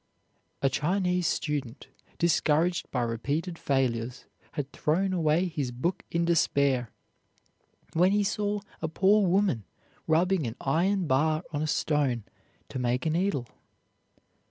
A Chinese student, discouraged by repeated failures, had thrown away his book in despair, when he saw a poor woman rubbing an iron bar on a stone to make a needle.